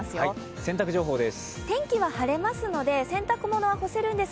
洗濯情報です。